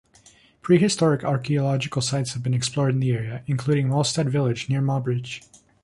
Prehistoric archaeological sites have been explored in the area, including Molstad Village near Mobridge.